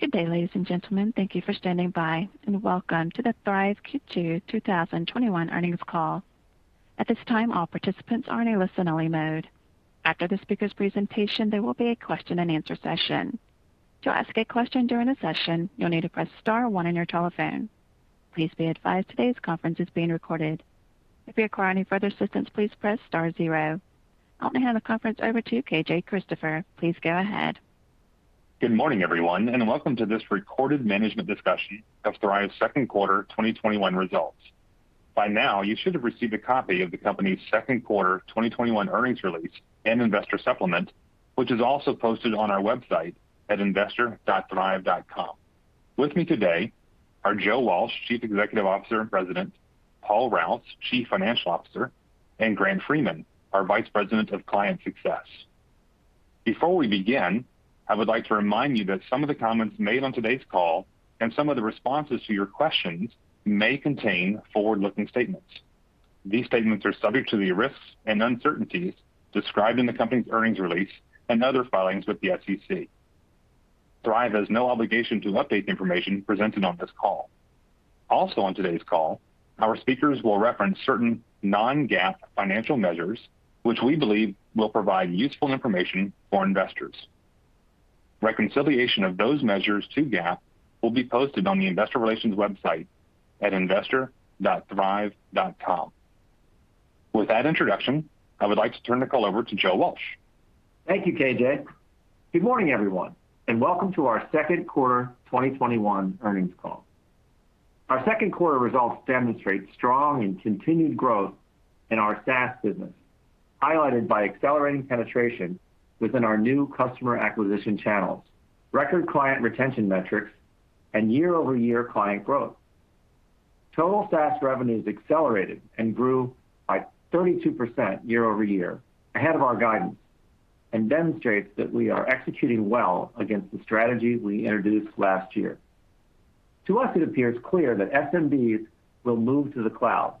Good day, ladies and gentlemen. Thank you for standing by, and welcome to the Thryv Q2 2021 earnings call. At this time, all our participants are on listen-only mode. After the speakers, presentation there will be a question and answer session. To ask a question during the session, you need to press star one on your telephone. Please be advised that this conference is recorded. If you require any further assistance please press star zero. I'll now hand the conference over to KJ Christopher. Please go ahead. Good morning, everyone, and welcome to this recorded management discussion of Thryv's second quarter 2021 results. By now, you should have received a copy of the company's second quarter 2021 earnings release and investor supplement, which is also posted on our website at investor.thryv.com. With me today are Joe Walsh, Chief Executive Officer and President, Paul Rouse, Chief Financial Officer, and Grant Freeman, our Vice President of Client Success. Before we begin, I would like to remind you that some of the comments made on today's call and some of the responses to your questions may contain forward-looking statements. These statements are subject to the risks and uncertainties described in the company's earnings release and other filings with the SEC. Thryv has no obligation to update the information presented on this call. Also on today's call, our speakers will reference certain non-GAAP financial measures which we believe will provide useful information for investors. Reconciliation of those measures to GAAP will be posted on the investor relations website at investor.thryv.com. With that introduction, I would like to turn the call over to Joe Walsh. Thank you, KJ. Good morning, everyone, and welcome to our second quarter 2021 earnings call. Our second quarter results demonstrate strong and continued growth in our SaaS business, highlighted by accelerating penetration within our new customer acquisition channels, record client retention metrics, and year-over-year client growth. Total SaaS revenues accelerated and grew by 32% year-over-year, ahead of our guidance, and demonstrates that we are executing well against the strategies we introduced last year. To us, it appears clear that SMBs will move to the cloud.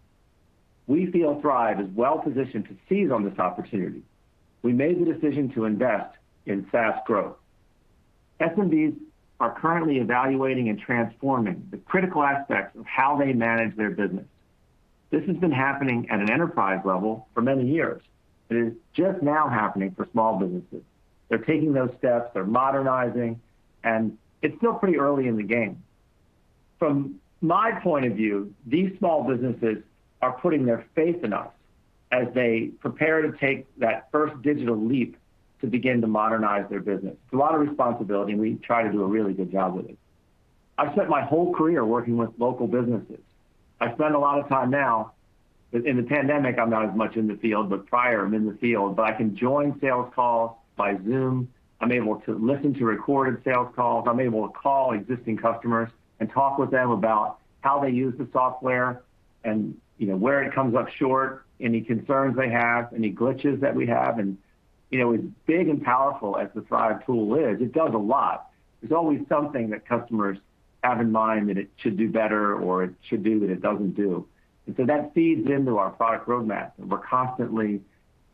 We feel Thryv is well-positioned to seize on this opportunity. We made the decision to invest in SaaS growth. SMBs are currently evaluating and transforming the critical aspects of how they manage their business. This has been happening at an enterprise level for many years, and it is just now happening for small businesses. They're taking those steps, they're modernizing, and it's still pretty early in the game. From my point of view, these small businesses are putting their faith in us as they prepare to take that first digital leap to begin to modernize their business. It's a lot of responsibility, and we try to do a really good job with it. I've spent my whole career working with local businesses. I spend a lot of time now, in the pandemic, I'm not as much in the field, but prior, I'm in the field, but I can join sales calls by Zoom. I'm able to listen to recorded sales calls. I'm able to call existing customers and talk with them about how they use the software and where it comes up short, any concerns they have, any glitches that we have. As big and powerful as the Thryv tool is, it does a lot. There's always something that customers have in mind that it should do better or it should do that it doesn't do. That feeds into our product roadmap, and we're constantly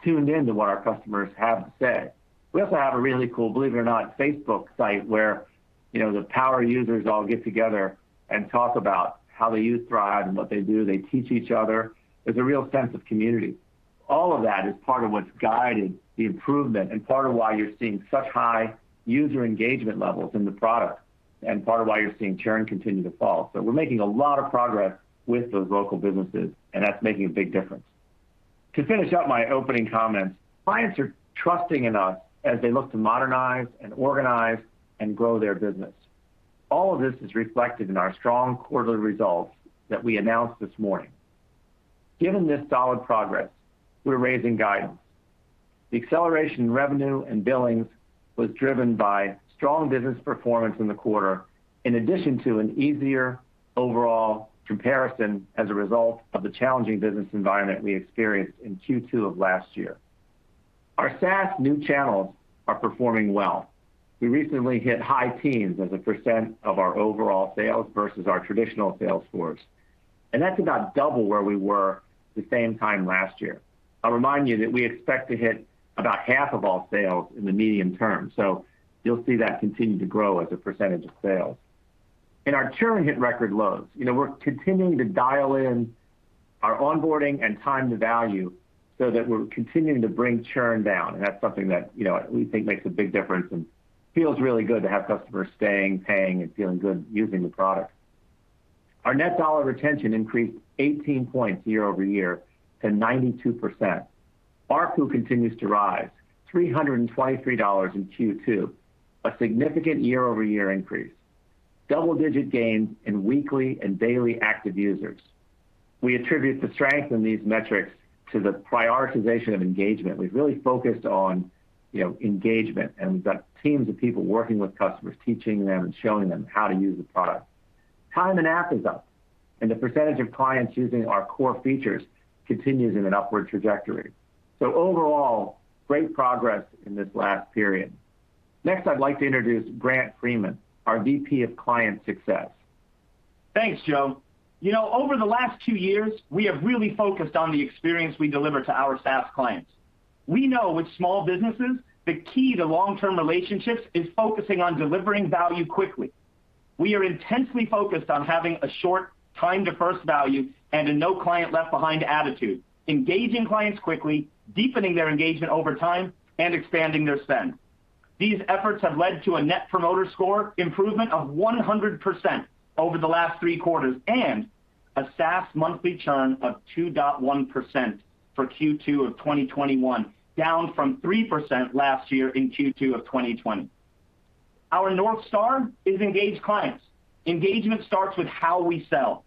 tuned in to what our customers have to say. We also have a really cool, believe it or not, Facebook site where the power users all get together and talk about how they use Thryv and what they do. They teach each other. There's a real sense of community. All of that is part of what's guided the improvement and part of why you're seeing such high user engagement levels in the product and part of why you're seeing churn continue to fall. We're making a lot of progress with those local businesses, and that's making a big difference. To finish up my opening comments, clients are trusting in us as they look to modernize and organize and grow their business. All of this is reflected in our strong quarterly results that we announced this morning. Given this solid progress, we're raising guidance. The acceleration in revenue and billings was driven by strong business performance in the quarter, in addition to an easier overall comparison as a result of the challenging business environment we experienced in Q2 of last year. Our SaaS new channels are performing well. We recently hit high teens as a percent of our overall sales versus our traditional sales force, and that's about double where we were the same time last year. I'll remind you that we expect to hit about half of all sales in the medium term, so you'll see that continue to grow as a percent of sales. Our churn hit record lows. We're continuing to dial in our onboarding and time to value so that we're continuing to bring churn down, and that's something that we think makes a big difference and feels really good to have customers staying, paying, and feeling good using the product. Our net dollar retention increased 18 points year-over-year to 92%. ARPU continues to rise, $323 in Q2, a significant year-over-year increase. Double-digit gains in weekly and daily active users. We attribute the strength in these metrics to the prioritization of engagement. We've really focused on engagement, and we've got teams of people working with customers, teaching them, and showing them how to use the product. Time in app is up, and the percentage of clients using our core features continues in an upward trajectory. Overall, great progress in this last period. I'd like to introduce Grant Freeman, our VP of Client Success. Thanks, Joe. Over the last two years, we have really focused on the experience we deliver to our SaaS clients. We know with small businesses, the key to long-term relationships is focusing on delivering value quickly. We are intensely focused on having a short time to first value and a no client left behind attitude, engaging clients quickly, deepening their engagement over time, and expanding their spend. These efforts have led to a net promoter score improvement of 100% over the last three quarters, and a SaaS monthly churn of 2.1% for Q2 of 2021, down from 3% last year in Q2 of 2020. Our North Star is engaged clients. Engagement starts with how we sell.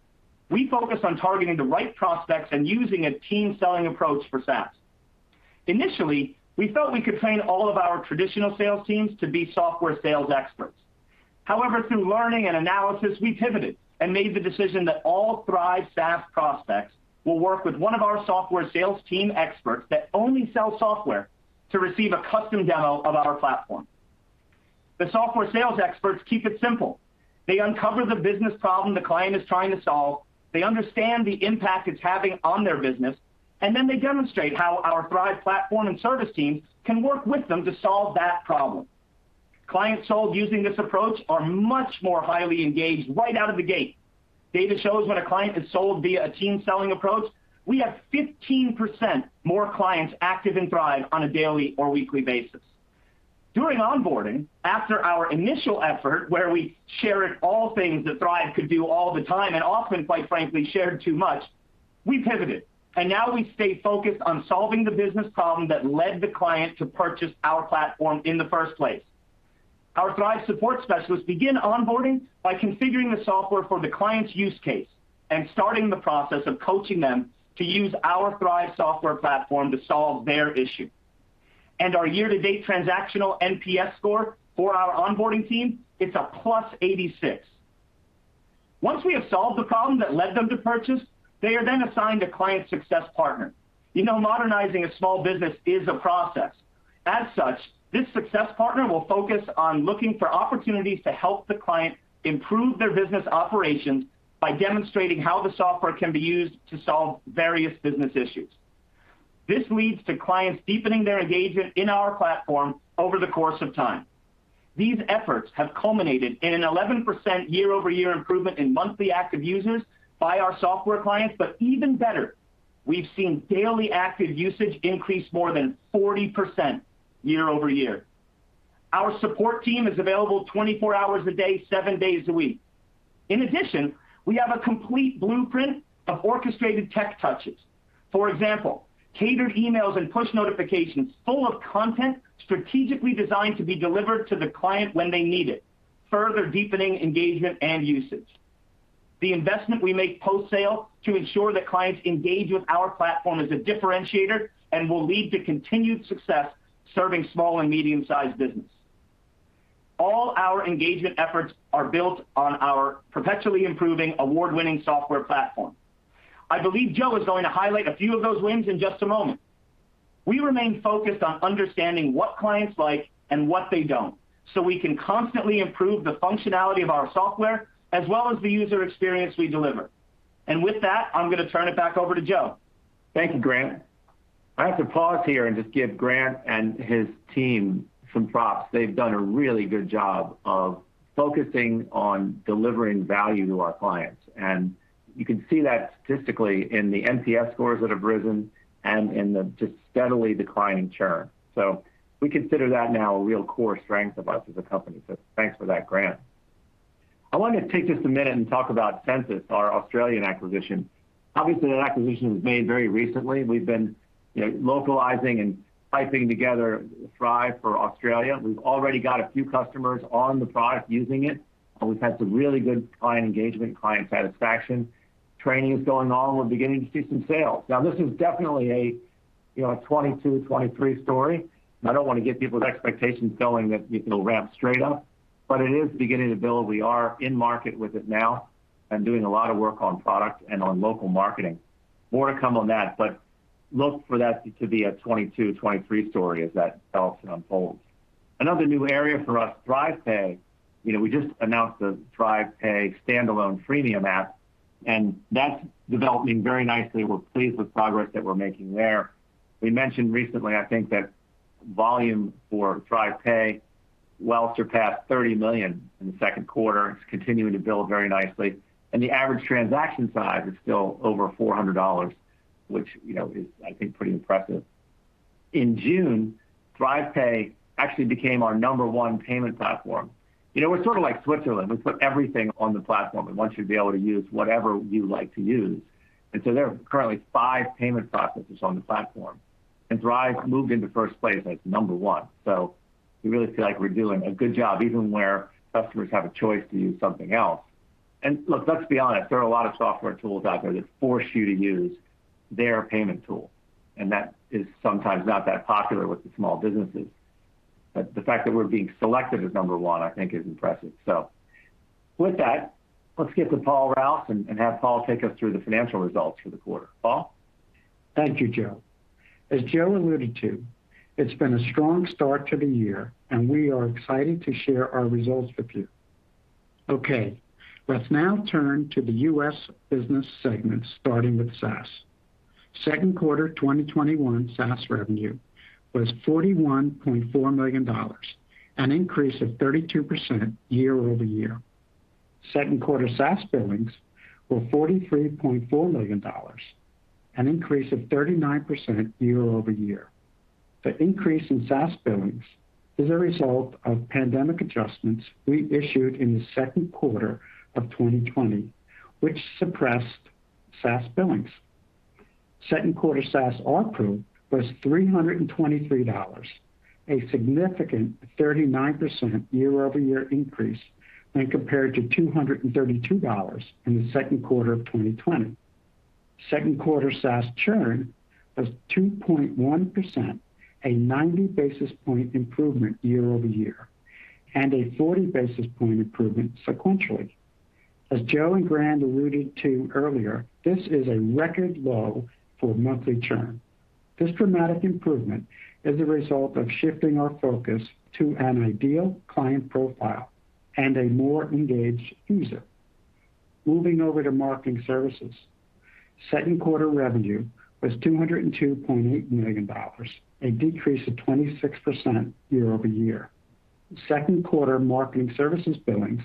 We focus on targeting the right prospects and using a team selling approach for SaaS. Initially, we felt we could train all of our traditional sales teams to be software sales experts. However, through learning and analysis, we pivoted and made the decision that all Thryv SaaS prospects will work with one of our software sales team experts that only sell software to receive a custom demo of our platform. The software sales experts keep it simple. They uncover the business problem the client is trying to solve, they understand the impact it's having on their business, and then they demonstrate how our Thryv platform and service teams can work with them to solve that problem. Clients sold using this approach are much more highly engaged right out of the gate. Data shows when a client is sold via a team selling approach, we have 15% more clients active in Thryv on a daily or weekly basis. During onboarding, after our initial effort where we shared all things that Thryv could do all the time, and often, quite frankly, shared too much, we pivoted, now we stay focused on solving the business problem that led the client to purchase our platform in the first place. Our Thryv support specialists begin onboarding by configuring the software for the client's use case and starting the process of coaching them to use our Thryv software platform to solve their issue. Our year-to-date transactional NPS score for our onboarding team, it's a +86. Once we have solved the problem that led them to purchase, they are then assigned a client success partner. Modernizing a small business is a process. As such, this success partner will focus on looking for opportunities to help the client improve their business operations by demonstrating how the software can be used to solve various business issues. This leads to clients deepening their engagement in our platform over the course of time. These efforts have culminated in an 11% year-over-year improvement in monthly active users by our software clients. But even better, we've seen daily active usage increase more than 40% year-over-year. Our support team is available 24 hours a day, seven days a week. In addition, we have a complete blueprint of orchestrated tech touches. For example, catered emails and push notifications full of content strategically designed to be delivered to the client when they need it, further deepening engagement and usage. The investment we make post-sale to ensure that clients engage with our platform is a differentiator and will lead to continued success serving small and medium-sized businesses. All our engagement efforts are built on our perpetually improving award-winning software platform. I believe Joe is going to highlight a few of those wins in just a moment. We remain focused on understanding what clients like and what they don't, so we can constantly improve the functionality of our software as well as the user experience we deliver. With that, I'm going to turn it back over to Joe. Thank you, Grant. I have to pause here and just give Grant and his team some thoughts. They've done a really good job of focusing on delivering value to our clients, and you can see that statistically in the NPS scores that have risen and in the just steadily declining churn. We consider that now a real core strength of us as a company. Thanks for that, Grant. I want to take just a minute and talk about Sensis, our Australian acquisition. Obviously, that acquisition was made very recently. We've been localizing and tying together Thryv for Australia. We've already got a few customers on the product using it, and we've had some really good client engagement, client satisfaction. Training is going on. We're beginning to see some sales. This is definitely a 2022, 2023 story, and I don't want to get people's expectations going that it'll ramp straight up, but it is beginning to build. We are in market with it now and doing a lot of work on product and on local marketing. More to come on that, but look for that to be a 2022, 2023 story as that tells and unfolds. Another new area for us, ThryvPay. We just announced the ThryvPay standalone freemium app, and that's developing very nicely. We're pleased with progress that we're making there. We mentioned recently, I think, that volume for ThryvPay well surpassed $30 million in the second quarter. It's continuing to build very nicely. The average transaction size is still over $400, which is, I think, pretty impressive. In June, ThryvPay actually became our number one payment platform. We're sort of like Switzerland. We put everything on the platform and want you to be able to use whatever you like to use. There are currently five payment processors on the platform, and Thryv moved into first place as number one. We really feel like we're doing a good job, even where customers have a choice to use something else. Look, let's be honest, there are a lot of software tools out there that force you to use their payment tool, and that is sometimes not that popular with the small businesses. The fact that we're being selected as number one, I think is impressive. With that, let's get to Paul Rouse and have Paul take us through the financial results for the quarter. Paul? Thank you, Joe. As Joe alluded to, it's been a strong start to the year, and we are excited to share our results with you. Okay, let's now turn to the U.S. business segment, starting with SaaS. Second quarter 2021 SaaS revenue was $41.4 million, an increase of 32% year-over-year. Second quarter SaaS billings were $43.4 million, an increase of 39% year-over-year. The increase in SaaS billings is a result of pandemic adjustments we issued in the second quarter of 2020, which suppressed SaaS billings. Second quarter SaaS ARPCU was $323, a significant 39% year-over-year increase when compared to $232 in the second quarter of 2020. Second quarter SaaS churn was 2.1%, a 90-basis-point improvement year-over-year and a 40-basis-point improvement sequentially. As Joe and Grant alluded to earlier, this is a record low for monthly churn. This dramatic improvement is a result of shifting our focus to an ideal client profile and a more engaged user. Moving over to Marketing Services. Second quarter revenue was $202.8 million, a decrease of 26% year-over-year. Second quarter Marketing Services billings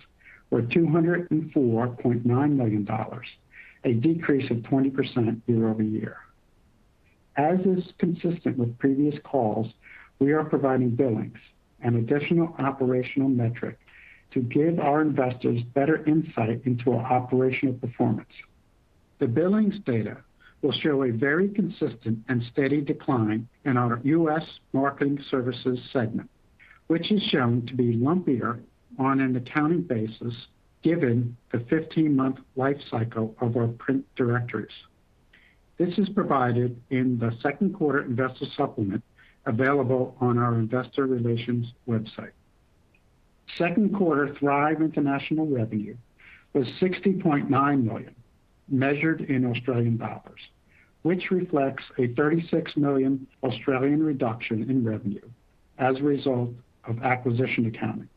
were $204.9 million, a decrease of 20% year-over-year. As is consistent with previous calls, we are providing billings, an additional operational metric, to give our investors better insight into our operational performance. The billings data will show a very consistent and steady decline in our U.S. Marketing Services segment, which is shown to be lumpier on an accounting basis given the 15-month life cycle of our print directories. This is provided in the second quarter investor supplement available on our investor relations website. Second quarter Thryv International revenue was 60.9 million, measured in Australian dollars, which reflects an 36 million Australian dollars reduction in revenue as a result of acquisition accounting.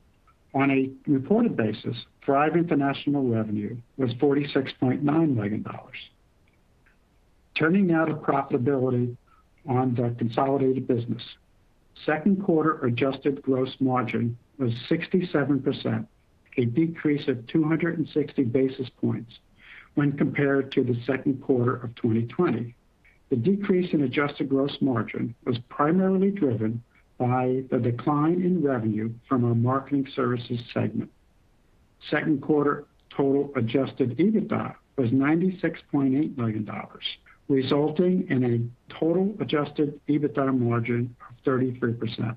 On a reported basis, Thryv International revenue was $46.9 million. Turning now to profitability on the consolidated business. Second quarter adjusted gross margin was 67%, a decrease of 260 basis points when compared to the second quarter of 2020. The decrease in adjusted gross margin was primarily driven by the decline in revenue from our Marketing Services segment. Second quarter total adjusted EBITDA was $96.8 million, resulting in a total adjusted EBITDA margin of 33%.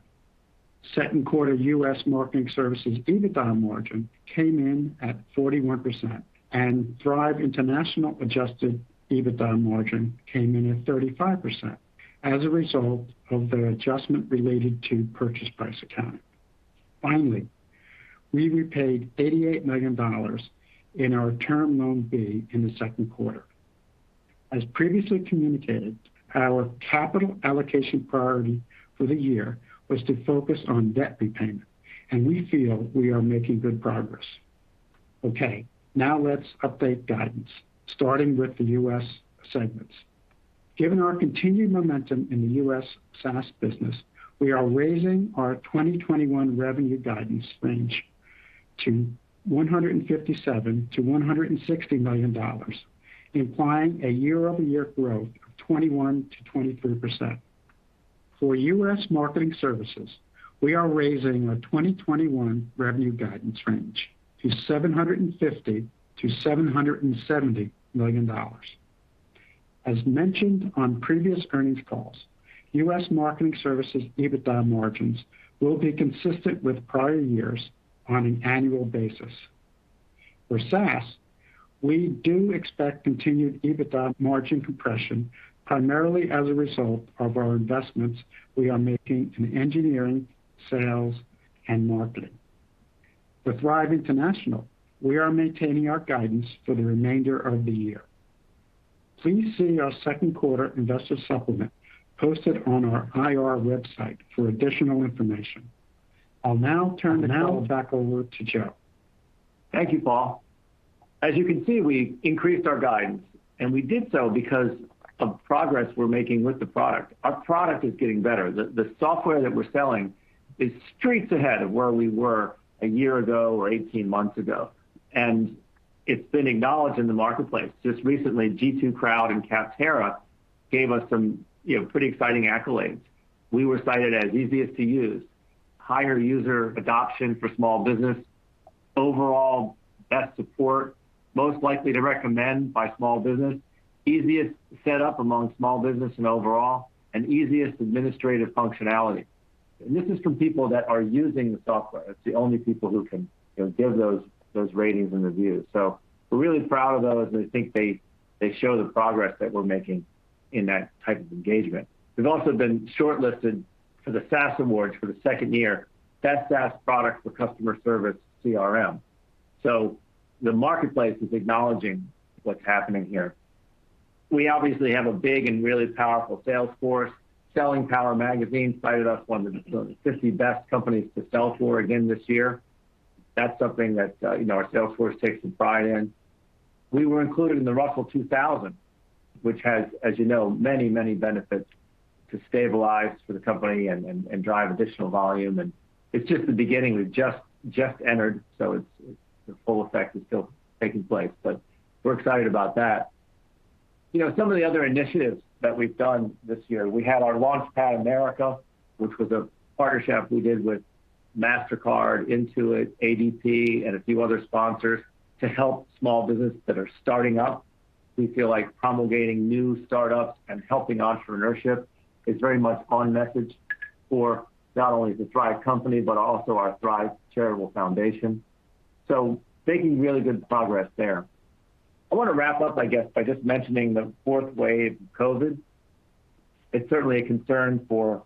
Second quarter U.S. Marketing Services EBITDA margin came in at 41%, and Thryv International adjusted EBITDA margin came in at 35% as a result of the adjustment related to purchase price accounting. Finally, we repaid $88 million in our term loan B in the second quarter. As previously communicated, our capital allocation priority for the year was to focus on debt repayment, and we feel we are making good progress. Okay, now let's update guidance, starting with the U.S. segments. Given our continued momentum in the U.S. SaaS business, we are raising our 2021 revenue guidance range to $157 million-$160 million, implying a year-over-year growth of 21%-23%. For U.S. Marketing Services, we are raising our 2021 revenue guidance range to $750 million-$770 million. As mentioned on previous earnings calls, U.S. Marketing Services EBITDA margins will be consistent with prior years on an annual basis. For SaaS, we do expect continued EBITDA margin compression, primarily as a result of our investments we are making in engineering, sales, and marketing. With Thryv International, we are maintaining our guidance for the remainder of the year. Please see our second quarter investor supplement posted on our IR website for additional information. I'll now turn the call back over to Joe. Thank you, Paul. As you can see, we increased our guidance, we did so because of progress we're making with the product. Our product is getting better. The software that we're selling is streets ahead of where we were a year ago or 18 months ago, it's been acknowledged in the marketplace. Just recently, G2 Crowd and Capterra gave us some pretty exciting accolades. We were cited as easiest to use, higher user adoption for small business, overall best support, most likely to recommend by small business, easiest to set up among small business and overall, easiest administrative functionality. This is from people that are using the software. It's the only people who can give those ratings and reviews. We're really proud of those, I think they show the progress that we're making in that type of engagement. We've also been shortlisted for the SaaS Awards for the second year, Best SaaS Product for Customer Services / CRM. The marketplace is acknowledging what's happening here. We obviously have a big and really powerful sales force. Selling Power magazine cited us one of the 50 Best Companies To Sell For again this year. That's something that our sales force takes some pride in. We were included in the Russell 2000, which has, as you know, many, many benefits to stabilize for the company and drive additional volume. It's just the beginning. We've just entered, the full effect is still taking place. We're excited about that. Some of the other initiatives that we've done this year, we had our Launchpad America, which was a partnership we did with Mastercard, Intuit, ADP, and a few other sponsors to help small business that are starting up. We feel like promulgating new startups and helping entrepreneurship is very much on message for not only the Thryv company, but also our Thryv Foundation. Making really good progress there. I want to wrap up, I guess, by just mentioning the fourth wave of COVID. It's certainly a concern for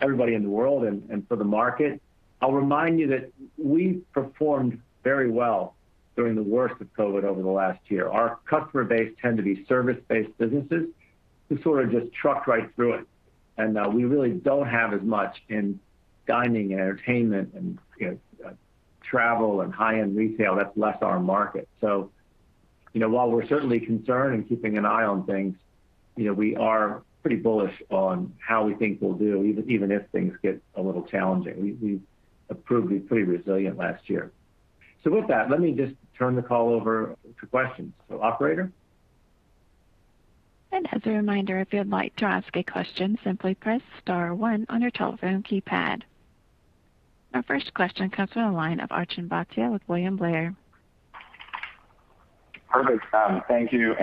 everybody in the world and for the market. I'll remind you that we performed very well during the worst of COVID over the last year. Our customer base tend to be service-based businesses who sort of just trucked right through it, and we really don't have as much in dining and entertainment and travel and high-end retail. That's less our market. While we're certainly concerned and keeping an eye on things, we are pretty bullish on how we think we'll do, even if things get a little challenging. We've proved to be pretty resilient last year. With that, let me just turn the call over to questions. Operator? As a reminder, if you'd like to ask a question, simply press star one on your telephone keypad. Our first question comes from the line of Arjun Bhatia with William Blair. Perfect. Thank you.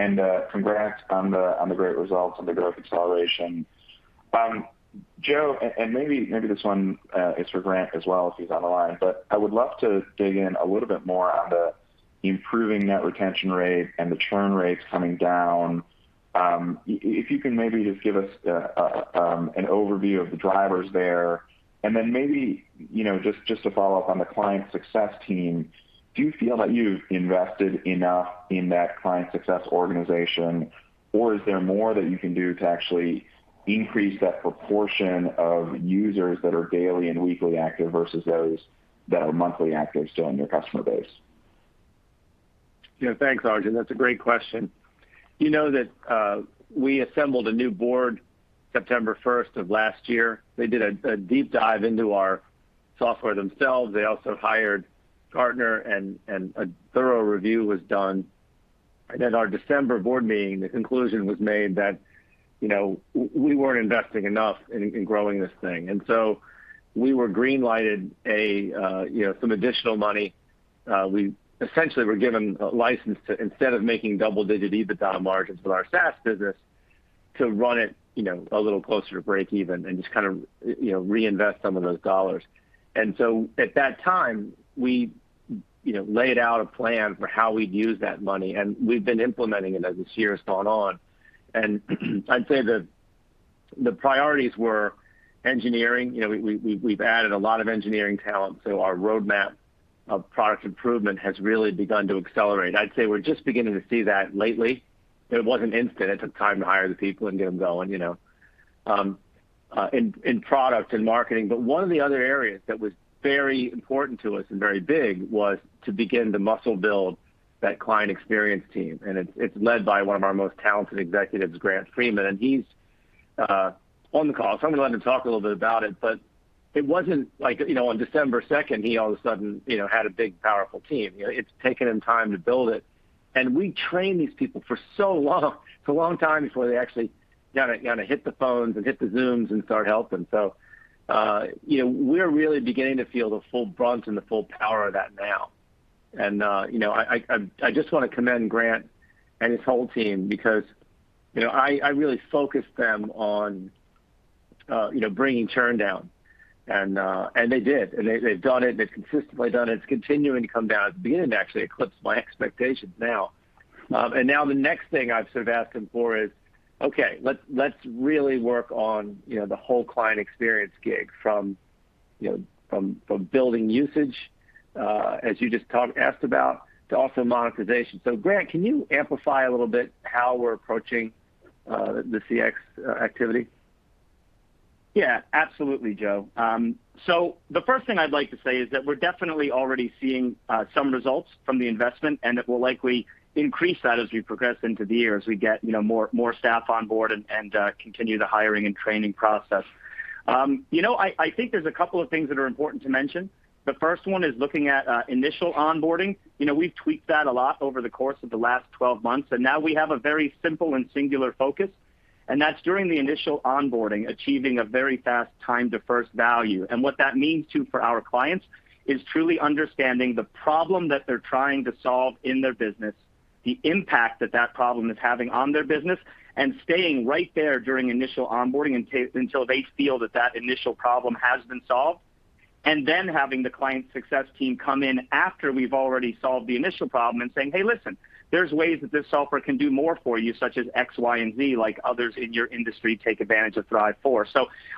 Congrats on the great results and the growth acceleration. Joe, maybe this one is for Grant Freeman as well, if he's on the line. I would love to dig in a little bit more on the improving net retention rate and the churn rates coming down. If you can maybe just give us an overview of the drivers there. Then maybe just to follow up on the client success team, do you feel that you've invested enough in that client success organization, or is there more that you can do to actually increase that proportion of users that are daily and weekly active versus those that are monthly active still in your customer base? Yeah. Thanks, Arjun. That's a great question. You know that we assembled a new board September 1st of last year. They did a deep dive into our software themselves. They also hired Gartner. A thorough review was done. At our December board meeting, the conclusion was made that we weren't investing enough in growing this thing. We were green lighted some additional money. We essentially were given license to, instead of making double-digit EBITDA margins with our SaaS business, to run it a little closer to breakeven and just kind of reinvest some of those dollars. At that time, we laid out a plan for how we'd use that money, and we've been implementing it as this year's gone on. I'd say the priorities were engineering. We've added a lot of engineering talent. Our roadmap of product improvement has really begun to accelerate. I'd say we're just beginning to see that lately. It wasn't instant. It took time to hire the people and get them going, in product and marketing. One of the other areas that was very important to us and very big was to begin to muscle build that client experience team, and it's led by one of our most talented executives, Grant Freeman, and he's on the call, so I'm going to let him talk a little bit about it. It wasn't like on December 2nd, he all of a sudden had a big, powerful team. It's taken him time to build it. We trained these people for so long. It's a long time before they actually hit the phones and hit the Zooms and start helping. We're really beginning to feel the full brunt and the full power of that now. I just want to commend Grant and his whole team because I really focused them on bringing churn down, and they did. They've done it, and they've consistently done it. It's continuing to come down. It's beginning to actually eclipse my expectations now. Now the next thing I've sort of asked them for is, okay, let's really work on the whole client experience gig from building usage, as you just asked about, to also monetization. Grant, can you amplify a little bit how we're approaching the CX activity? Yeah, absolutely, Joe. The first thing I'd like to say is that we're definitely already seeing some results from the investment, and that we'll likely increase that as we progress into the year, as we get more staff on board and continue the hiring and training process. I think there's a couple of things that are important to mention. The first one is looking at initial onboarding. We've tweaked that a lot over the course of the last 12 months, and now we have a very simple and singular focus, and that's during the initial onboarding, achieving a very fast time to first value. What that means, too, for our clients is truly understanding the problem that they're trying to solve in their business, the impact that that problem is having on their business, and staying right there during initial onboarding until they feel that that initial problem has been solved. Having the client success team come in after we've already solved the initial problem and saying, "Hey, listen, there's ways that this software can do more for you, such as X, Y, and Z, like others in your industry take advantage of Thryv for."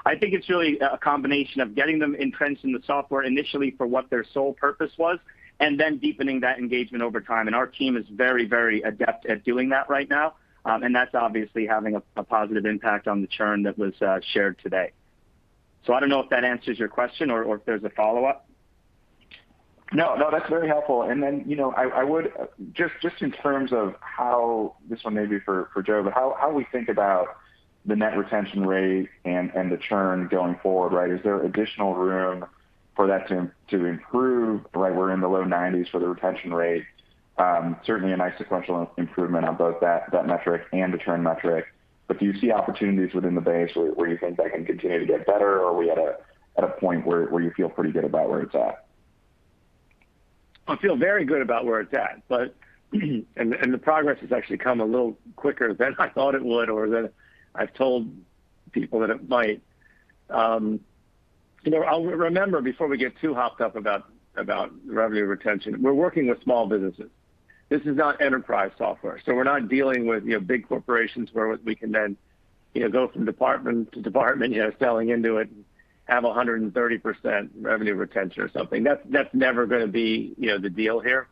I think it's really a combination of getting them entrenched in the software initially for what their sole purpose was, and then deepening that engagement over time. Our team is very adept at doing that right now, and that's obviously having a positive impact on the churn that was shared today. I don't know if that answers your question or if there's a follow-up. No, that's very helpful. Just in terms of how, this one may be for Joe, but how we think about the net retention rate and the churn going forward, right? Is there additional room for that to improve? We're in the low 90s for the retention rate. Certainly a nice sequential improvement on both that metric and the churn metric. Do you see opportunities within the base where you think that can continue to get better? Are we at a point where you feel pretty good about where it's at? I feel very good about where it's at, and the progress has actually come a little quicker than I thought it would or that I've told people that it might. Remember, before we get too hopped up about revenue retention, we're working with small businesses. This is not enterprise software, so we're not dealing with big corporations where we can then go from department to department selling into it and have 130% revenue retention or something. That's never going to be the deal here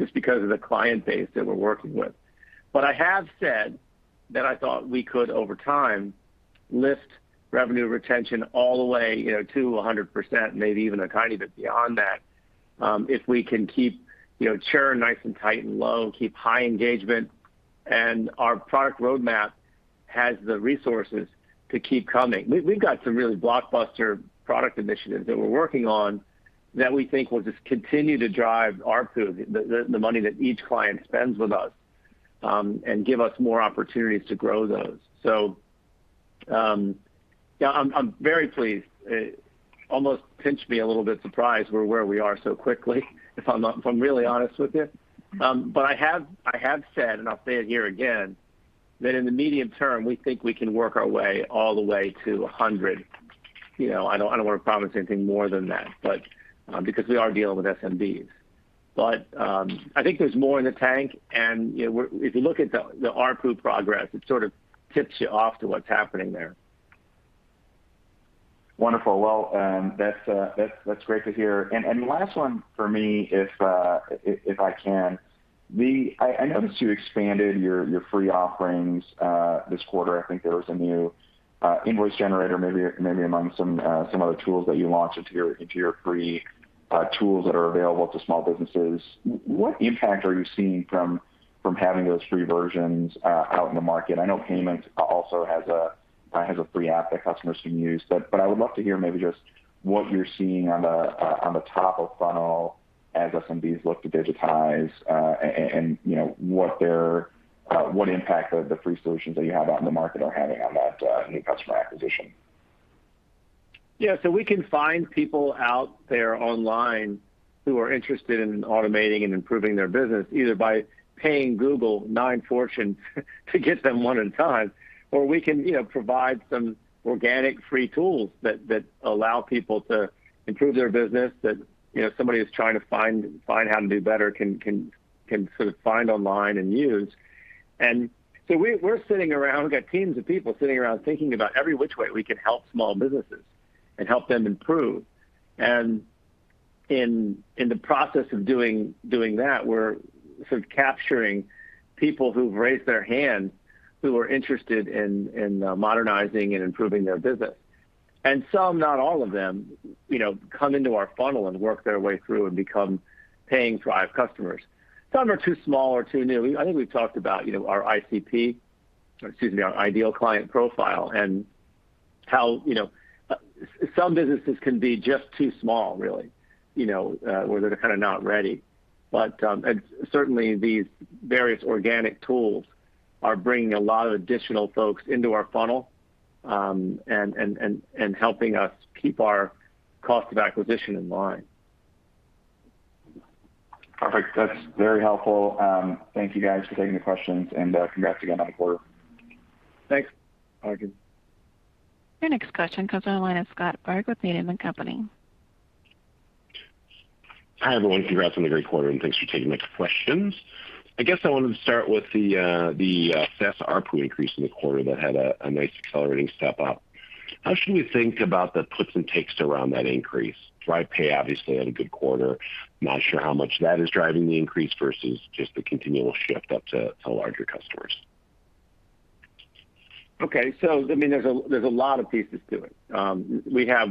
just because of the client base that we're working with. I have said that I thought we could, over time, lift revenue retention all the way to 100%, maybe even a tiny bit beyond that, if we can keep churn nice and tight and low, keep high engagement, and our product roadmap has the resources to keep coming. We've got some really blockbuster product initiatives that we're working on that we think will just continue to drive ARPU, the money that each client spends with us, and give us more opportunities to grow those. I'm very pleased. Almost pinch me a little bit surprised we're where we are so quickly, if I'm really honest with you. I have said, and I'll say it here again, that in the medium term, we think we can work our way all the way to 100. I don't want to promise anything more than that, because we are dealing with SMBs. I think there's more in the tank, and if you look at the ARPU progress, it sort of tips you off to what's happening there. Wonderful. Well, that's great to hear. Last one for me, if I can. I noticed you expanded your free offerings this quarter. I think there was a new invoice generator, maybe among some other tools that you launched into your free tools that are available to small businesses. What impact are you seeing from having those free versions out in the market? I know ThryvPay also has a free app that customers can use. I would love to hear maybe just what you're seeing on the top of funnel as SMBs look to digitize, and what impact the free solutions that you have out in the market are having on that new customer acquisition. Yeah. We can find people out there online who are interested in automating and improving their business, either by paying Google a fortune to get them one at a time, or we can provide some organic free tools that allow people to improve their business that somebody who's trying to find how to do better can sort of find online and use. We're sitting around, we've got teams of people sitting around thinking about every which way we can help small businesses and help them improve. In the process of doing that, we're sort of capturing people who've raised their hand who are interested in modernizing and improving their business. Some, not all of them, come into our funnel and work their way through and become paying Thryv customers. Some are too small or too new. I think we've talked about our ICP, or excuse me, our ideal client profile, and how some businesses can be just too small, really, where they're kind of not ready. Certainly these various organic tools are bringing a lot of additional folks into our funnel, and helping us keep our cost of acquisition in line. Perfect. That's very helpful. Thank you guys for taking the questions, and congrats again on the quarter. Thanks, Arjun Bhatia. Your next question comes on the line of Scott Berg with Needham & Company. Hi, everyone. Congrats on the great quarter, and thanks for taking the questions. I guess I wanted to start with the SaaS ARPU increase in the quarter that had a nice accelerating step up. How should we think about the puts and takes around that increase? ThryvPay obviously had a good quarter. Not sure how much that is driving the increase versus just the continual shift up to larger customers. Okay. There's a lot of pieces to it. We have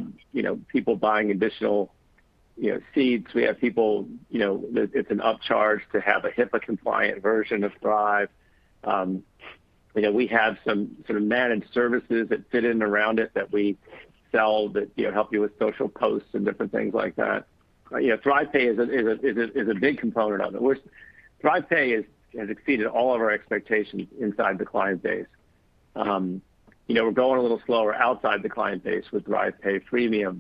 people buying additional seats. We have people, it's an upcharge to have a HIPAA-compliant version of Thryv. We have some sort of managed services that fit in around it that we sell that help you with social posts and different things like that. ThryvPay is a big component of it. ThryvPay has exceeded all of our expectations inside the client base. We're going a little slower outside the client base with ThryvPay freemium.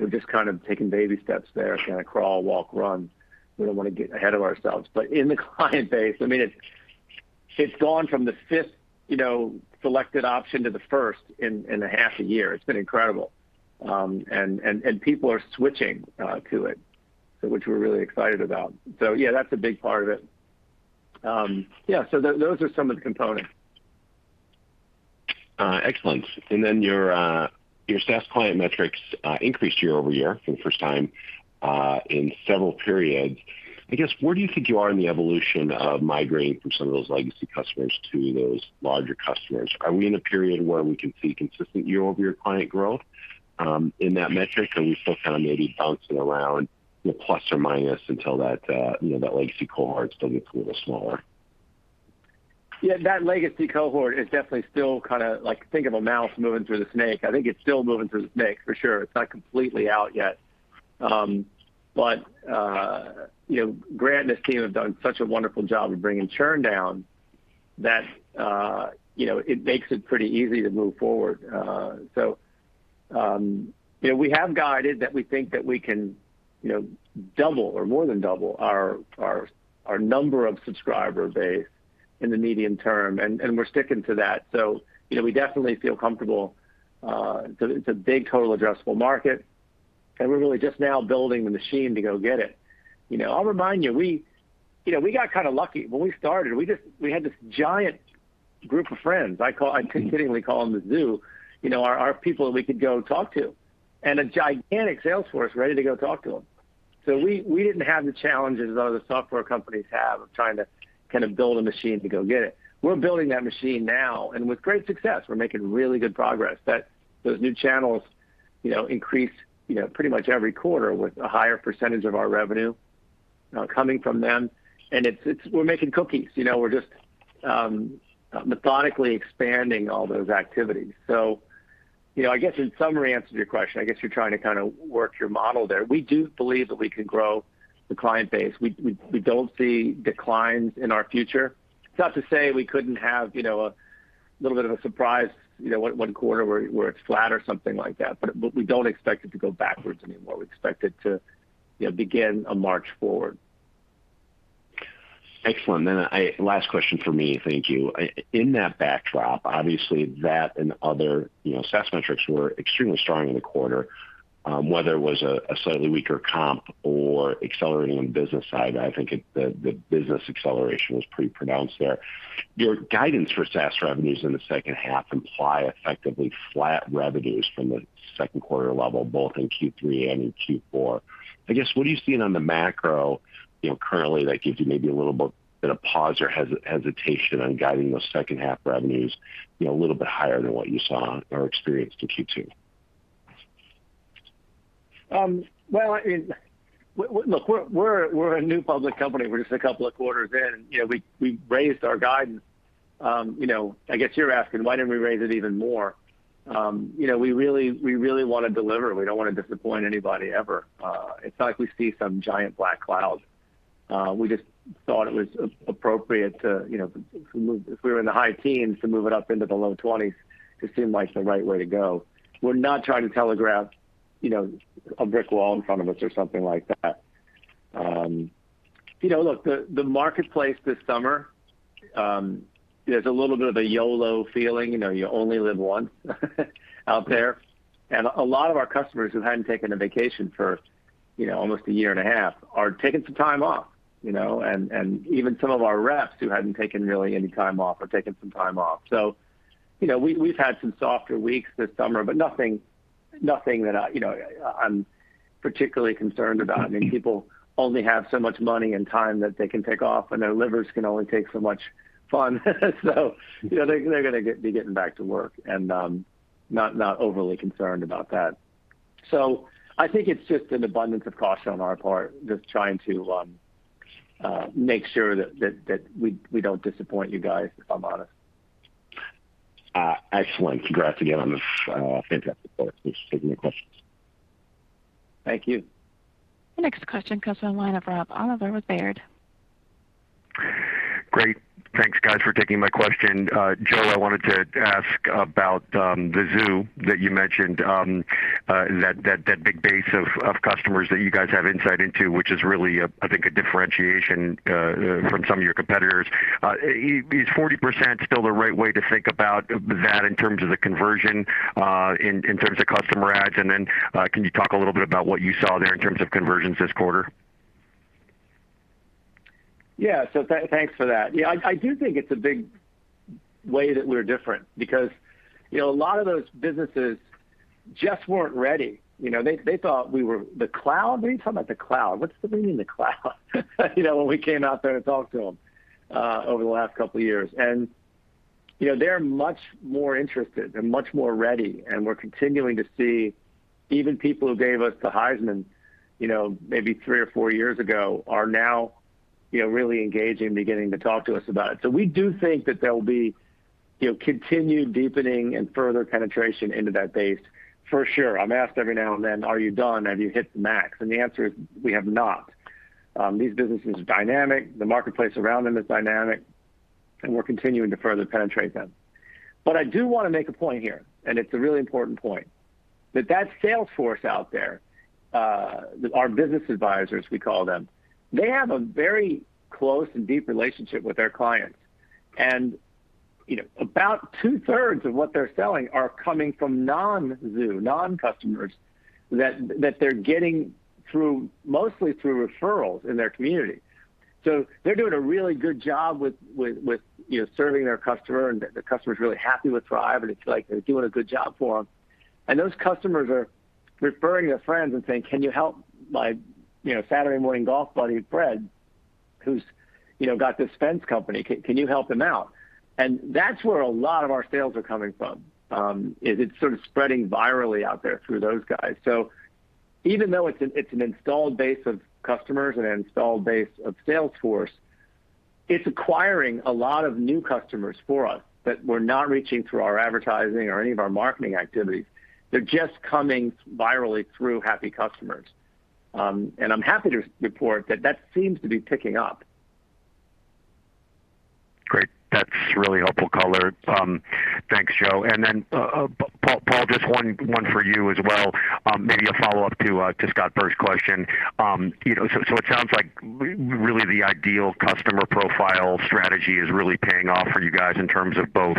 We're just kind of taking baby steps there, kind of crawl, walk, run. We don't want to get ahead of ourselves. In the client base, It's gone from the fifth selected option to the first in a half a year. It's been incredible. People are switching to it, which we're really excited about. Yeah, that's a big part of it. Yeah, those are some of the components. Excellent. Your SaaS client metrics increased year-over-year for the first time in several periods. I guess, where do you think you are in the evolution of migrating from some of those legacy customers to those larger customers? Are we in a period where we can see consistent year-over-year client growth in that metric? Are we still maybe bouncing around the plus or minus until that legacy cohort still gets a little smaller? That legacy cohort is definitely still kind of like, think of a mouse moving through the snake. I think it's still moving through the snake, for sure. It's not completely out yet. Grant and his team have done such a wonderful job of bringing churn down that it makes it pretty easy to move forward. We have guided that we think that we can double or more than double our number of subscriber base in the medium term, we're sticking to that. We definitely feel comfortable. It's a big total addressable market, we're really just now building the machine to go get it. I'll remind you, we got lucky. When we started, we had this giant group of friends, I kiddingly call them the zoo, our people that we could go talk to, a gigantic sales force ready to go talk to them. We didn't have the challenges that other software companies have of trying to build a machine to go get it. We're building that machine now, and with great success. We're making really good progress that those new channels increase pretty much every quarter, with a higher percent of our revenue coming from them. We're making cookies. We're just methodically expanding all those activities. I guess in summary answer to your question, I guess you're trying to work your model there. We do believe that we can grow the client base. We don't see declines in our future. It's not to say we couldn't have a little bit of a surprise one quarter where it's flat or something like that. We don't expect it to go backwards anymore. We expect it to begin a march forward. Excellent. Last question from me. Thank you. In that backdrop, obviously, that and other SaaS metrics were extremely strong in the quarter. Whether it was a slightly weaker comp or accelerating on the business side, I think the business acceleration was pretty pronounced there. Your guidance for SaaS revenues in the second half imply effectively flat revenues from the second quarter level, both in Q3 and in Q4. I guess, what are you seeing on the macro currently that gives you maybe a little bit of pause or hesitation on guiding those second half revenues a little bit higher than what you saw or experienced in Q2? Well, look, we're a new public company. We're just a couple of quarters in. We raised our guidance. I guess you're asking, why didn't we raise it even more? We really want to deliver. We don't want to disappoint anybody, ever. It's not like we see some giant black cloud. We just thought it was appropriate to, if we were in the high teens, to move it up into the low 20s. It seemed like the right way to go. We're not trying to telegraph a brick wall in front of us or something like that. Look, the marketplace this summer, there's a little bit of a YOLO feeling. You only live once out there. A lot of our customers who hadn't taken a vacation for almost a year and a half are taking some time off. Even some of our reps who hadn't taken really any time off are taking some time off. We've had some softer weeks this summer, but nothing that I'm particularly concerned about. People only have so much money and time that they can take off, and their livers can only take so much fun. They're going to be getting back to work, and I'm not overly concerned about that. I think it's just an abundance of caution on our part, just trying to make sure that we don't disappoint you guys, if I'm honest. Excellent. Congrats again on this fantastic quarter. Thanks for taking the questions. Thank you. The next question comes from the line of Rob Oliver with Baird. Great. Thanks, guys, for taking my question. Joe, I wanted to ask about the view that you mentioned, that big base of customers that you guys have insight into, which is really, I think, a differentiation from some of your competitors. Is 40% still the right way to think about that in terms of the conversion in terms of customer adds? Then can you talk a little bit about what you saw there in terms of conversions this quarter? Yeah. Thanks for that. I do think it's a big way that we're different because a lot of those businesses just weren't ready. They thought we were the cloud. "What are you talking about the cloud? What does it mean, the cloud?" When we came out there to talk to them over the last couple of years. They're much more interested. They're much more ready, and we're continuing to see even people who gave us the Heisman maybe three or four years ago are now really engaging, beginning to talk to us about it. We do think that there will be continued deepening and further penetration into that base for sure. I'm asked every now and then, "Are you done? Have you hit the max?" The answer is we have not. These businesses are dynamic, the marketplace around them is dynamic, and we're continuing to further penetrate them. I do want to make a point here, and it's a really important point, that that sales force out there, our business advisors, we call them, they have a very close and deep relationship with their clients. About 2/3 of what they're selling are coming from non-dues, non-customers, that they're getting mostly through referrals in their community. They're doing a really good job with serving their customer, and the customer's really happy with Thryv, and it's like they're doing a good job for them. Those customers are referring their friends and saying, "Can you help my Saturday morning golf buddy, Fred, who's got this fence company? Can you help him out." That's where a lot of our sales are coming from. It's sort of spreading virally out there through those guys. Even though it's an installed base of customers and an installed base of sales force, it's acquiring a lot of new customers for us that we're not reaching through our advertising or any of our marketing activities. They're just coming virally through happy customers. I'm happy to report that that seems to be picking up. Great. That's really helpful color. Thanks, Joe. Paul, just one for you as well. Maybe a follow-up to Scott Berg's question. It sounds like really the ideal customer profile strategy is really paying off for you guys in terms of both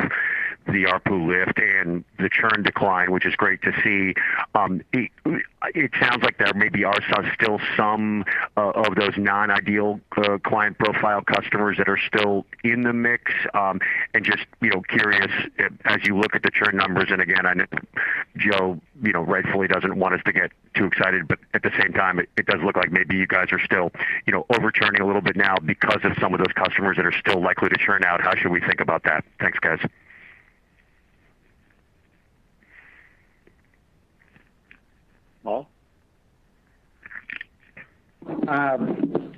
the ARPU lift and the churn decline, which is great to see. It sounds like there may be still some of those non-ideal client profile customers that are still in the mix. Just curious, as you look at the churn numbers, again, I know Joe rightfully doesn't want us to get too excited, at the same time, it does look like maybe you guys are still over-churning a little bit now because of some of those customers that are still likely to churn out. How should we think about that? Thanks, guys. Paul? I'm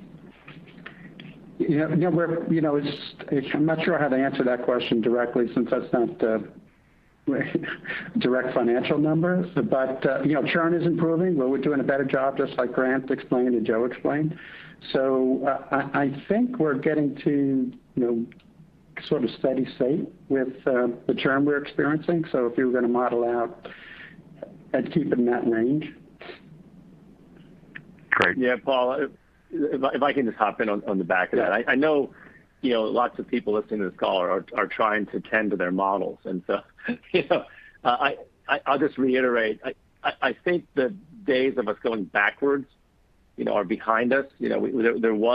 not sure how to answer that question directly since that's not a direct financial number. Churn is improving. We're doing a better job, just like Grant explained and Joe explained. I think we're getting to sort of steady state with the churn we're experiencing. If you were going to model out, I'd keep it in that range. Great. Yeah, Paul, if I can just hop in on the back of that. Yeah. I know lots of people listening to this call are trying to tend to their models. I'll just reiterate, I think the days of us going backwards are behind us. We were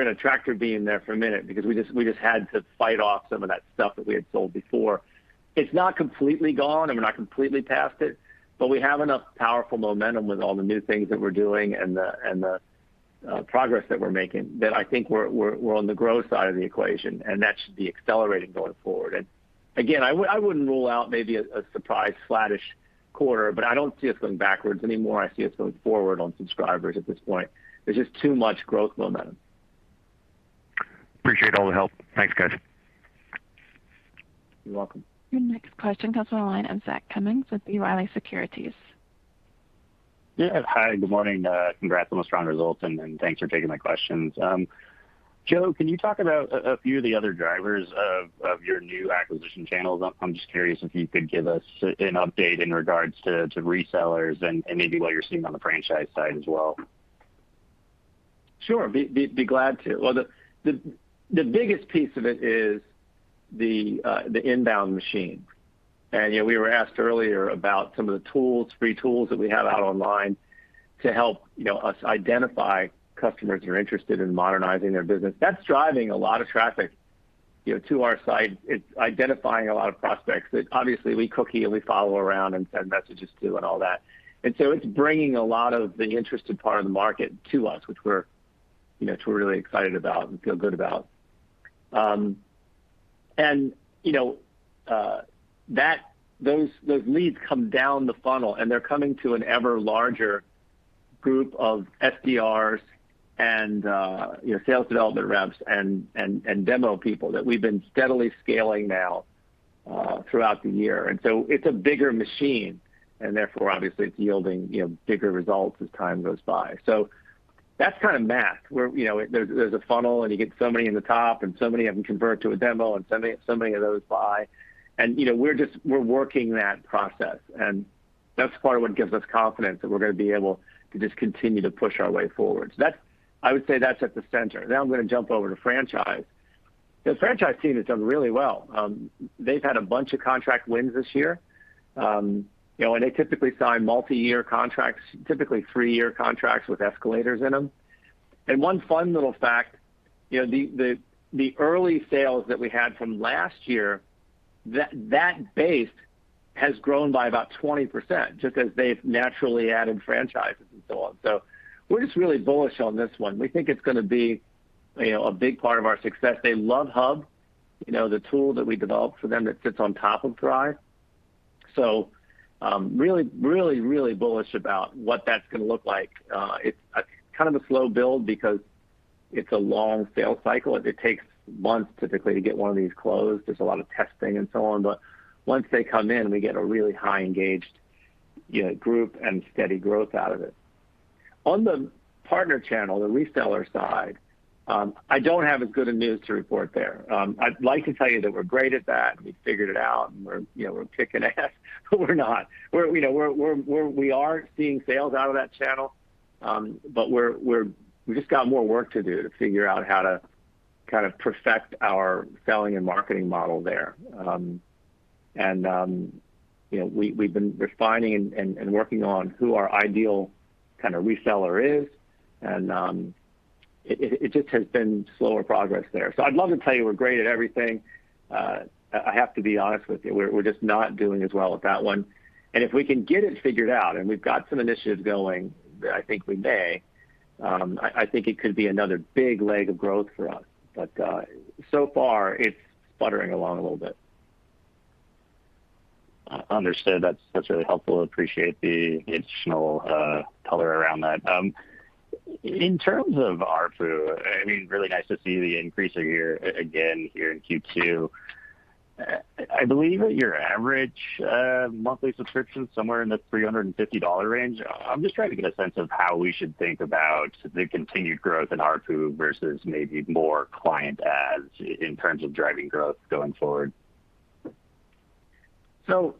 in a tractor beam there for a minute because we just had to fight off some of that stuff that we had sold before. It's not completely gone, and we're not completely past it, but we have enough powerful momentum with all the new things that we're doing and the progress that we're making, that I think we're on the growth side of the equation, and that should be accelerating going forward. Again, I wouldn't rule out maybe a surprise flattish quarter, but I don't see us going backwards anymore. I see us going forward on subscribers at this point. There's just too much growth momentum. Appreciate all the help. Thanks, guys. You're welcome. Your next question comes on the line of Zach Cummins with B. Riley Securities. Hi, good morning. Congrats on the strong results, and thanks for taking my questions. Joe, can you talk about a few of the other drivers of your new acquisition channels? I'm just curious if you could give us an update in regards to resellers and maybe what you're seeing on the franchise side as well. Sure. Be glad to. Well, the biggest piece of it is the inbound machine. We were asked earlier about some of the free tools that we have out online to help us identify customers who are interested in modernizing their business. That's driving a lot of traffic to our site. It's identifying a lot of prospects that obviously we cookie and we follow around and send messages to and all that. It's bringing a lot of the interested part of the market to us, which we're really excited about and feel good about. Those leads come down the funnel, and they're coming to an ever larger group of SDRs and sales development reps and demo people that we've been steadily scaling now throughout the year. It's a bigger machine, and therefore obviously it's yielding bigger results as time goes by. That's kind of math, where there's a funnel and you get so many in the top and so many of them convert to a demo and so many of those buy. We're working that process, and that's part of what gives us confidence that we're going to be able to just continue to push our way forward. I would say that's at the center. Now I'm going to jump over to franchise. The franchise team has done really well. They've had a bunch of contract wins this year. They typically sign multi-year contracts, typically three-year contracts with escalators in them. One fun little fact, the early sales that we had from last year, that base has grown by about 20%, just as they've naturally added franchises and so on. We're just really bullish on this one. We think it's going to be a big part of our success. They love Hub, the tool that we developed for them that sits on top of Thryv. Really bullish about what that's going to look like. It's kind of a slow build because it's a long sales cycle. It takes months typically to get one of these closed. There's a lot of testing and so on. Once they come in, we get a really high engaged group and steady growth out of it. On the partner channel, the reseller side, I don't have as good of news to report there. I'd like to tell you that we're great at that, and we figured it out, and we're kicking ass, but we're not. We are seeing sales out of that channel, but we just got more work to do to figure out how to perfect our selling and marketing model there. We've been refining and working on who our ideal kind of reseller is, and it just has been slower progress there. I'd love to tell you we're great at everything. I have to be honest with you. We're just not doing as well with that one. If we can get it figured out, and we've got some initiatives going that I think we may, I think it could be another big leg of growth for us. So far, it's sputtering along a little bit. Understood. That's really helpful. Appreciate the additional color around that. In terms of ARPU, really nice to see the increase again here in Q2. I believe that your average monthly subscription's somewhere in the $350 range. I'm just trying to get a sense of how we should think about the continued growth in ARPU versus maybe more client adds in terms of driving growth going forward. I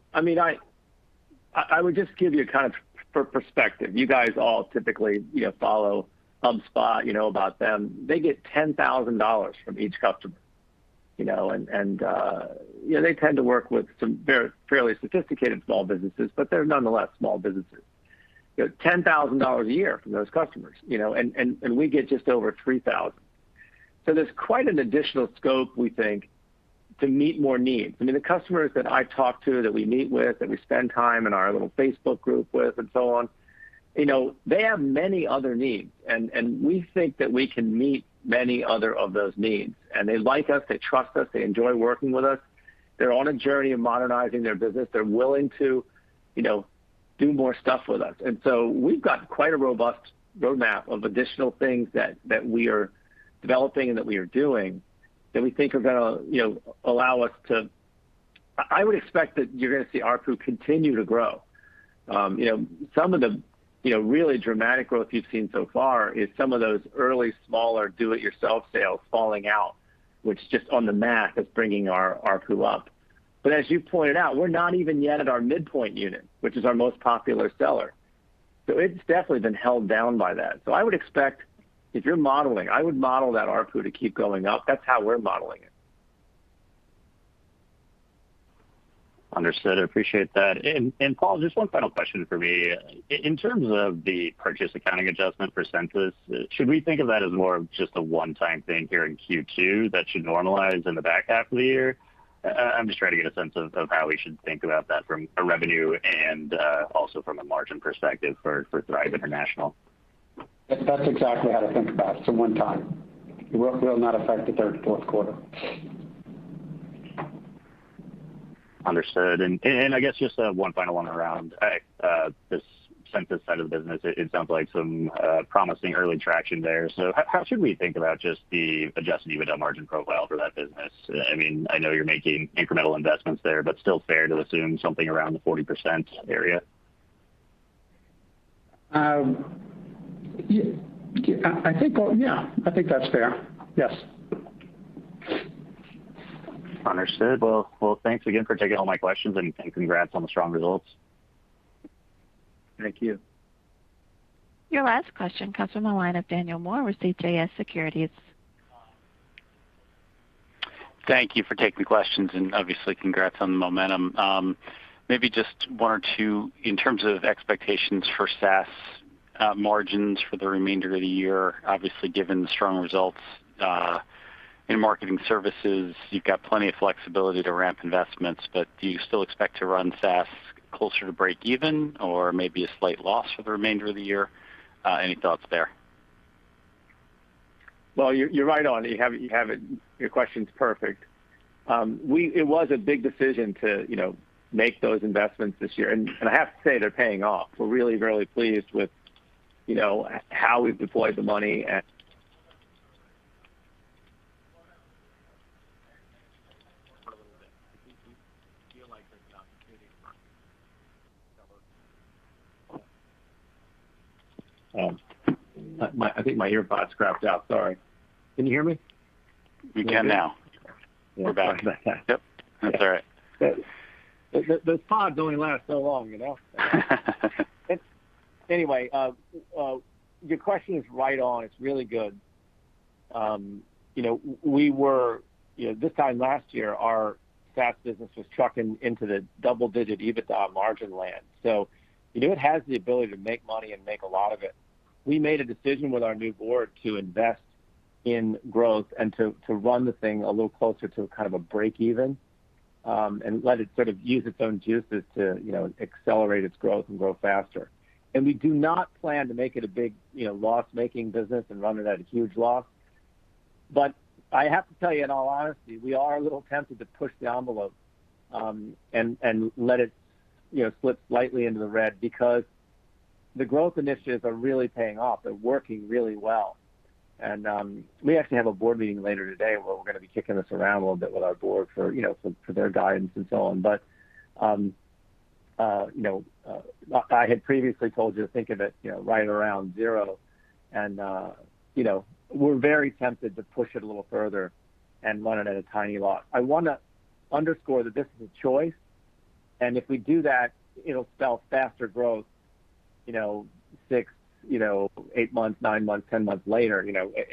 would just give you kind of for perspective, you guys all typically follow HubSpot. You know about them. They get $10,000 from each customer. They tend to work with some fairly sophisticated small businesses, but they're nonetheless small businesses. They get $10,000 a year from those customers, we get just over $3,000. There's quite an additional scope, we think, to meet more needs. The customers that I talk to, that we meet with, that we spend time in our little Facebook group with and so on, they have many other needs, we think that we can meet many other of those needs. They like us, they trust us, they enjoy working with us. They're on a journey of modernizing their business. They're willing to do more stuff with us. We've got quite a robust roadmap of additional things that we are developing and that we are doing that we think are going to allow us to I would expect that you're going to see ARPU continue to grow. Some of the really dramatic growth you've seen so far is some of those early, smaller do it yourself sales falling out, which just on the math is bringing our ARPU up. As you pointed out, we're not even yet at our midpoint unit, which is our most popular seller. It's definitely been held down by that. I would expect if you're modeling, I would model that ARPU to keep going up. That's how we're modeling it. Understood. I appreciate that. Paul, just one final question for me. In terms of the purchase accounting adjustment for Sensis, should we think of that as more of just a one-time thing here in Q2 that should normalize in the back half of the year? I'm just trying to get a sense of how we should think about that from a revenue and also from a margin perspective for Thryv International. That's exactly how to think about it. It's a one-time. It will not affect the third and fourth quarter. Understood. I guess just one final one around this Sensis side of the business. It sounds like some promising early traction there. How should we think about just the adjusted EBITDA margin profile for that business? I know you're making incremental investments there, but still fair to assume something around the 40% area? Yeah, I think that's fair. Yes. Understood. Well, thanks again for taking all my questions, and congrats on the strong results. Thank you. Your last question comes from the line of Daniel Moore with CJS Securities. Thank you for taking the questions. Obviously, congrats on the momentum. Maybe just one or two in terms of expectations for SaaS margins for the remainder of the year. Obviously, given the strong results in Marketing Services, you've got plenty of flexibility to ramp investments. Do you still expect to run SaaS closer to break even or maybe a slight loss for the remainder of the year? Any thoughts there? Well, you're right on. Your question's perfect. It was a big decision to make those investments this year, and I have to say they're paying off. We're really pleased with how we've deployed the money. I think my AirPods crapped out. Sorry. Can you hear me? We can now. We're back. Yep. That's all right. Those pods only last so long. Your question is right on. It's really good. This time last year, our SaaS business was trucking into the double-digit EBITDA margin land. It has the ability to make money and make a lot of it. We made a decision with our new board to invest in growth and to run the thing a little closer to kind of a break-even, and let it sort of use its own juices to accelerate its growth and grow faster. We do not plan to make it a big loss-making business and run it at a huge loss. I have to tell you, in all honesty, we are a little tempted to push the envelope, and let it slip slightly into the red because the growth initiatives are really paying off. They're working really well. We actually have a board meeting later today where we're going to be kicking this around a little bit with our board for their guidance and so on. I had previously told you to think of it right around zero, and we're very tempted to push it a little further and run it at a tiny loss. I want to underscore that this is a choice, and if we do that, it'll spell faster growth six, eight months, nine months, 10 months later,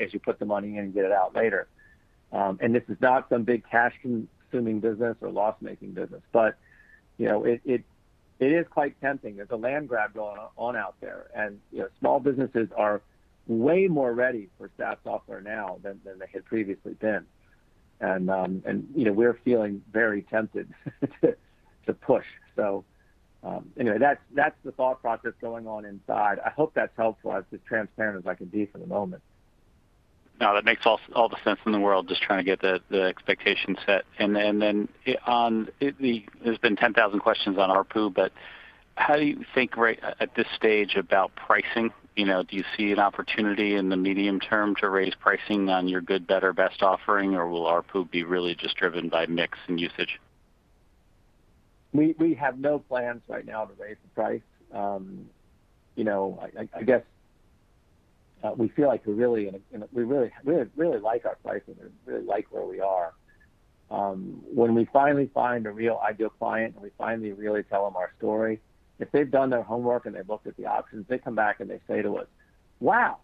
as you put the money in and get it out later. This is not some big cash-consuming business or loss-making business. It is quite tempting. There's a land grab going on out there, and small businesses are way more ready for SaaS software now than they had previously been. We're feeling very tempted to push. Anyway, that's the thought process going on inside. I hope that's helpful. I have to be transparent as I can be for the moment. No, that makes all the sense in the world, just trying to get the expectation set. On the, there's been 10,000 questions on ARPU, how do you think right at this stage about pricing? Do you see an opportunity in the medium term to raise pricing on your good, better, best offering, or will ARPU be really just driven by mix and usage? We have no plans right now to raise the price. I guess we feel like we really like our pricing. We really like where we are. When we finally find a real ideal client, and we finally really tell them our story, if they've done their homework and they've looked at the options, they come back, and they say to us, "Wow,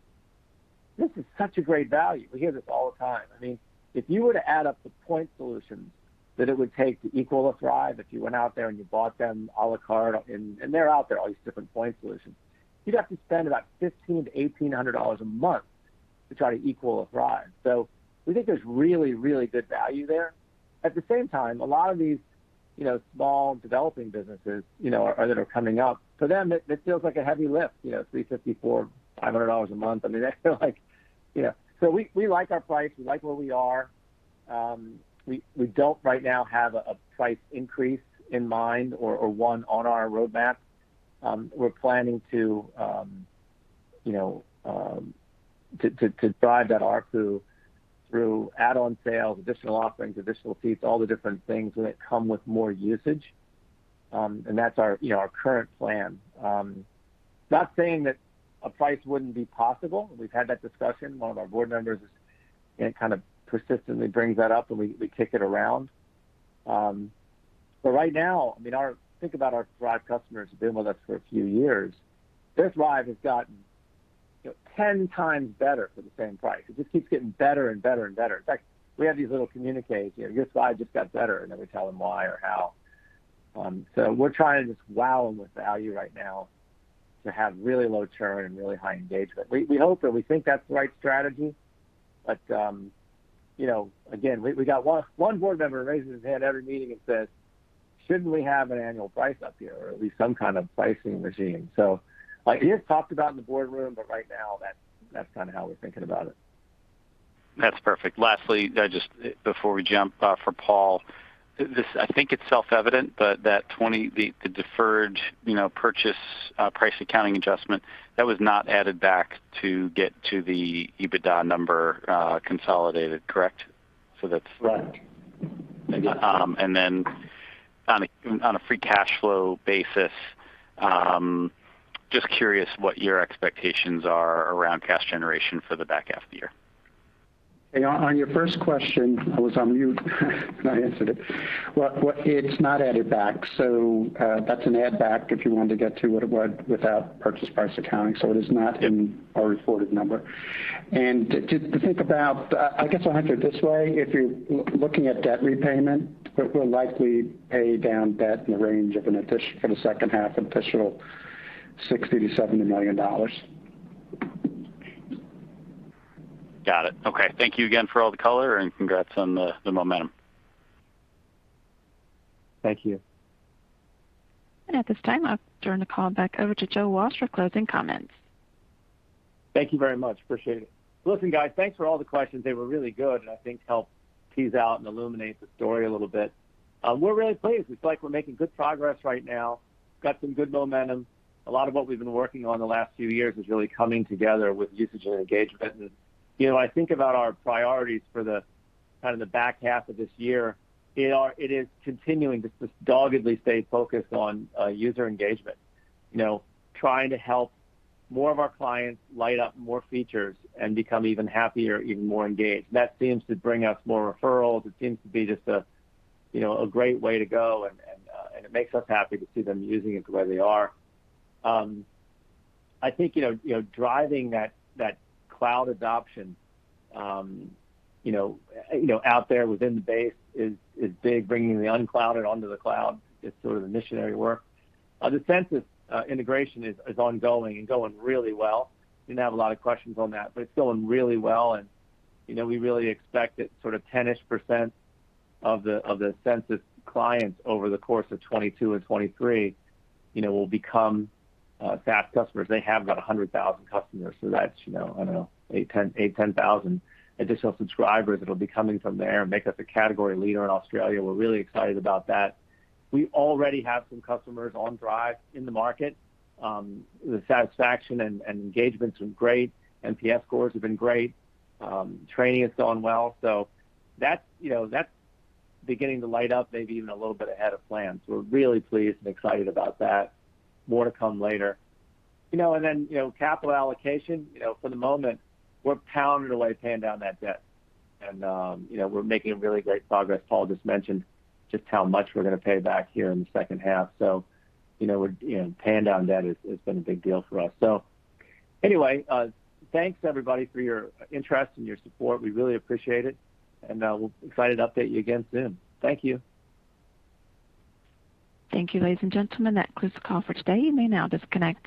this is such a great value!" We hear this all the time. If you were to add up the point solutions that it would take to equal a Thryv, if you went out there and you bought them à la carte, and they're out there, all these different point solutions, you'd have to spend about $1,500-$1,800 a month to try to equal a Thryv. We think there's really good value there. At the same time, a lot of these small developing businesses that are coming up, for them, it feels like a heavy lift, $350, $400, $500 a month. We like our price. We like where we are. We don't right now have a price increase in mind or one on our roadmap. We're planning to drive that ARPU through add-on sales, additional offerings, additional seats, all the different things that come with more usage. That's our current plan. Not saying that a price wouldn't be possible. We've had that discussion. One of our board members kind of persistently brings that up, we kick it around. Right now, think about our Thryv customers who've been with us for a few years. Their Thryv has gotten 10 x better for the same price. It just keeps getting better and better. In fact, we have these little communiques here. Your Thryv just got better," then we tell them why or how. We're trying to just wow them with value right now to have really low churn and really high engagement. We hope that we think that's the right strategy, again, we got one board member who raises his hand every meeting and says, "Shouldn't we have an annual price up here or at least some kind of pricing regime?" It is talked about in the boardroom, right now, that's how we're thinking about it. That's perfect. Lastly, just before we jump for Paul Rouse, I think it's self-evident, but that $20, the deferred purchase price accounting adjustment, that was not added back to get to the EBITDA number consolidated, correct? Right. On a free cash flow basis, just curious what your expectations are around cash generation for the back half of the year. On your first question, I was on mute and I answered it. Well, it's not added back. That's an add back if you wanted to get to what it would without purchase price accounting. It is not in our reported number. To think about, I guess I'll answer it this way. If you're looking at debt repayment, we'll likely pay down debt in the range of an addition for the second half, additional $60 million-$70 million. Got it. Okay. Thank you again for all the color and congrats on the momentum. Thank you. At this time, I'll turn the call back over to Joe Walsh for closing comments. Thank you very much. Appreciate it. Listen, guys, thanks for all the questions. They were really good, I think helped tease out and illuminate the story a little bit. We're really pleased. It's like we're making good progress right now. We've got some good momentum. A lot of what we've been working on the last few years is really coming together with usage and engagement. I think about our priorities for the back half of this year, it is continuing to just doggedly stay focused on user engagement. Trying to help more of our clients light up more features and become even happier, even more engaged. That seems to bring us more referrals. It seems to be just a great way to go, and it makes us happy to see them using it the way they are. I think driving that cloud adoption out there within the base is big. Bringing the unclouded onto the cloud is sort of the missionary work. The Sensis integration is ongoing and going really well. Didn't have a lot of questions on that, but it's going really well, and we really expect that sort of 10-ish percent of the Sensis clients over the course of 2022 and 2023 will become SaaS customers. They have got 100,000 customers, so that's, I don't know, 8,000, 10,000 additional subscribers that'll be coming from there and make us a category leader in Australia. We're really excited about that. We already have some customers on Thryv in the market. The satisfaction and engagement's been great. NPS scores have been great. Training is going well. That's beginning to light up maybe even a little bit ahead of plan. We're really pleased and excited about that. More to come later. Then capital allocation, for the moment, we're pounding away paying down that debt. We're making really great progress. Paul just mentioned just how much we're going to pay back here in the second half. Paying down debt has been a big deal for us. Anyway, thanks everybody for your interest and your support. We really appreciate it, and we're excited to update you again soon. Thank you. Thank you, ladies and gentlemen. That concludes the call for today. You may now disconnect.